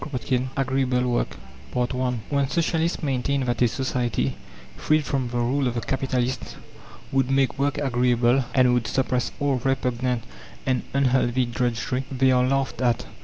CHAPTER X AGREEABLE WORK I When Socialists maintain that a society, freed from the rule of the capitalists, would make work agreeable, and would suppress all repugnant and unhealthy drudgery, they are laughed at.